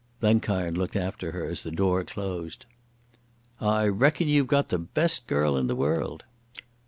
Blenkiron looked after her as the door closed. "I reckon you've got the best girl in the world."